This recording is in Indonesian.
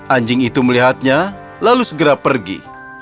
anjing itu melihatnya lalu segera pergi